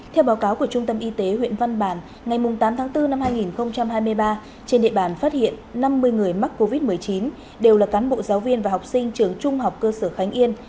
theo báo cáo của trung tâm y tế huyện văn bàn ngày tám tháng bốn năm hai nghìn hai mươi ba trên địa bàn phát hiện năm mươi người mắc covid một mươi chín đều là cán bộ giáo viên và học sinh trường trung học cơ sở khánh yên